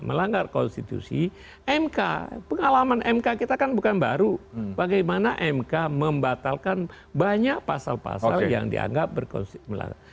melanggar konstitusi mk pengalaman mk kita kan bukan baru bagaimana mk membatalkan banyak pasal pasal yang dianggap berkonstitusi